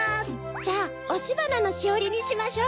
じゃあおしばなのしおりにしましょう。